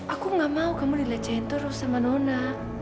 aku nggak mau kamu dilecehin terus sama nona